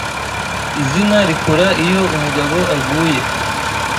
Izina rikura iyo umugabo aguye